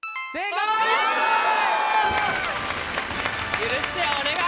許してお願い！